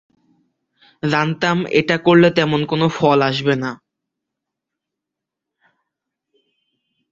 জানতাম এটা করলে তেমন কোন ফল আসবে না।